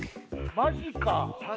マジか。